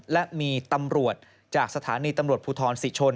และมีตำรวจจากสถานีตำรวจภูทรศรีชน